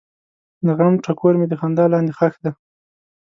د غم ټکور مې د خندا لاندې ښخ دی.